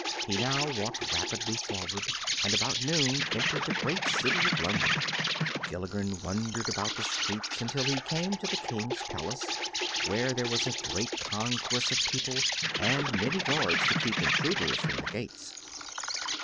He now walked rapidly forward, and about noon entered the great city of London. Gilligren wandered about the streets until he came to the King's palace, where there was a great concourse of people and many guards to keep intruders from the gates.